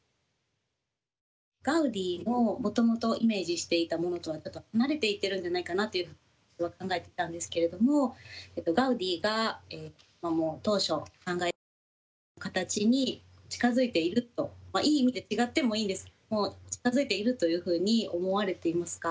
ガウディのもともとイメージしていたものとはちょっと離れていってるんじゃないかなと考えてたんですけれどもガウディが当初考えていた建築の形に近づいているといい意味で違ってもいいんですけども近づいているというふうに思われていますか？